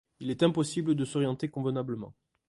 Il est impossible de s'orienter convenablement.